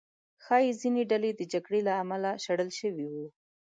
ښایي ځینې ډلې د جګړې له امله شړل شوي وو.